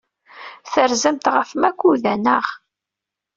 Terzamt ɣef Makuda, naɣ?